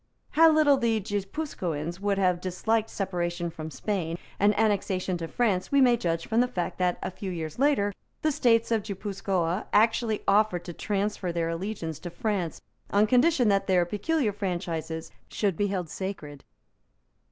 How little the Guipuscoans would have disliked separation from Spain and annexation to France we may judge from the fact that, a few years later, the States of Guipuscoa actually offered to transfer their allegiance to France on condition that their peculiar franchises should be held sacred.